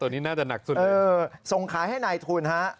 ตอนนี้น่าจะหนักสุดเลยส่งขายให้นายทุนฮะ